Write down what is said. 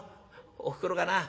おふくろがな